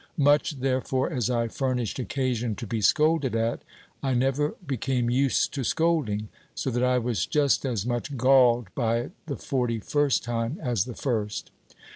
Much, therefore, as I furnished occasion to be scolded at, I never became used to scolding, so that I was just as much galled by it the forty first time as the first.